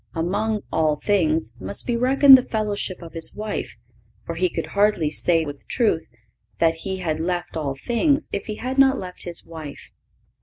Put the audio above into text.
(518) Among "all things" must be reckoned the fellowship of his wife, for he could hardly say with truth that he had left all things if he had not left his wife.